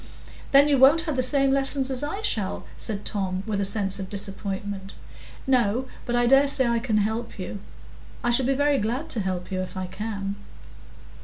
"Then you won't have the same lessons as I shall?" said Tom, with a sense of disappointment. "No; but I dare say I can help you. I shall be very glad to help you if I can."